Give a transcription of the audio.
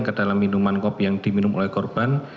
kedalam minuman kopi yang diminum oleh korban